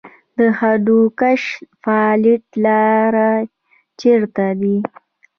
د هندوکش فالټ لاین چیرته دی؟